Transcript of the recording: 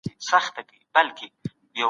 د غریبانو سره مرسته وکړئ.